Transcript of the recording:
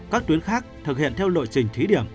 các tuyến khác thực hiện theo lộ trình thí điểm